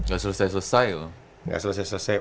gak selesai selesai loh